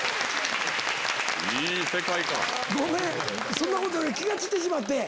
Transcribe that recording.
ごめんそんなことより気が散ってしまって。